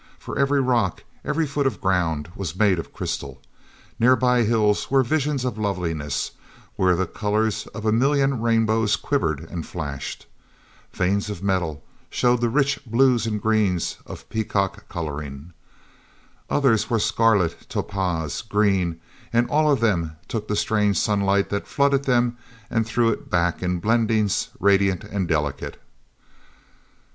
For every rock, every foot of ground, was made of crystal. Nearby hills were visions of loveliness where the colors of a million rainbows quivered and flashed. Veins of metal showed the rich blues and greens of peacock coloring. Others were scarlet, topaz, green, and all of them took the strange sunlight that flooded them and threw it back in blendings radiant and delicate.